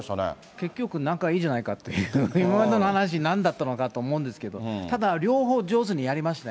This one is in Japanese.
結局、仲いいじゃないかって、今までの話、なんだったのかと思いますけど、ただ両方、上手にやりましたね。